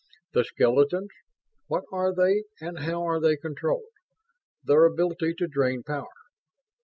The skeletons what are they and how are they controlled? Their ability to drain power.